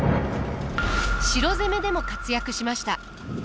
城攻めでも活躍しました。